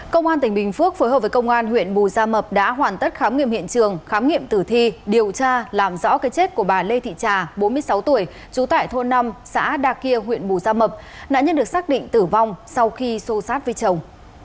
công an tỉnh bình phước phối hợp với công an huyện bù gia mập đã hoàn tất khám nghiệm hiện trường khám nghiệm tử thi điều tra làm rõ cái chết của bà lê thị trà bốn mươi sáu tuổi trú tại thôn năm xã đa kia huyện bù gia mập nạn nhân được xác định tử vong sau khi xô sát với chồng